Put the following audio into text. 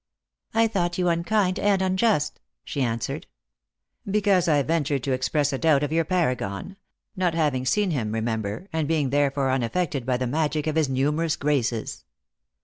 "I thought you unkind and unjust," she answered. " Because I ventured to express a doubt of your paragon — not having seen him, remember, and being therefore unaffected by the magic of his numerous graces."